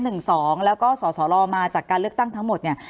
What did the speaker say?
เราก็สอร์หลวงมาจากการเลือกตั้งทั้งหมดเนี่ย